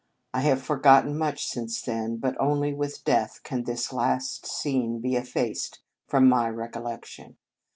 I have forgotten much since then, but only with death can this last scene be effaced from my recollection.